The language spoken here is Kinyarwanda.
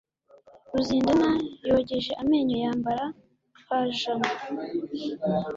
Ruzindana yogeje amenyo yambara pajama.